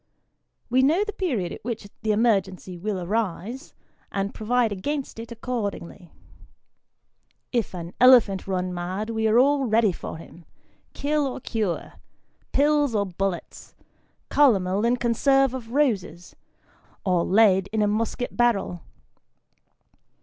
We know the period at which the emergency will arise, and provide against it accordingly. If an elephant run mad, we are all ready for him kill or cure pills or bullets, calomel in conserve of roses, or lead in a musket barrel.